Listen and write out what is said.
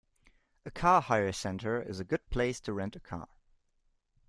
A car hire centre is a good place to rent a car